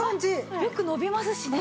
よく伸びますしね。